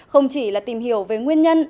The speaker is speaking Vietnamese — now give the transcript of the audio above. không chỉ là tìm hiểu về nguyên nhân